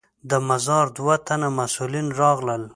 د مزار دوه تنه مسوولین راغلل.